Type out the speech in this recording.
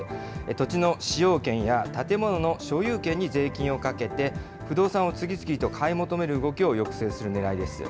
土地の使用権や建物の所有権に税金をかけて、不動産を次々と買い求める動きを抑制するねらいです。